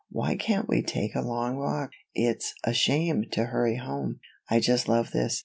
Why can't we take a long walk? It's a shame to hurry home. I just love this.